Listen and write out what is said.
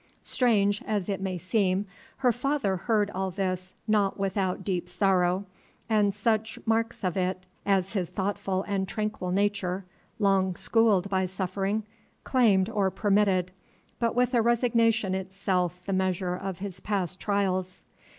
Strange as it may seem, her father heard all this not without deep sorrow, and such marks of it as his thoughtful and tranquil nature, long schooled by suffering, claimed or permitted, but with a resignation itself the measure of his past trials.